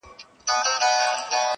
او څومره ستره خبره ده چې خپله مینه وکړي